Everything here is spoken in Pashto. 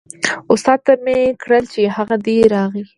استاد ته مې کړل چې هغه دی راغی.